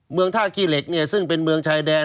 เมืองท่าขี้เหล็กเนี่ยซึ่งเป็นเมืองชายแดน